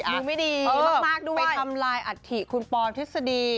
ไปทำลายอัฐิคุณปอลทฤษฎี